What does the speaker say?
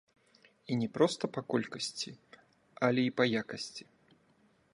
І не проста па колькасці, але і па якасці.